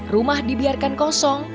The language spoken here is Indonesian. rumah dibiarkan kosong